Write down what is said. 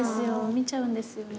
見ちゃうんですよね